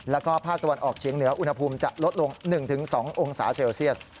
แล้วก็ภาคตะวันออกเฉียงเหนืออุณหภูมิจะลดลง๑๒องศาเซลเซียส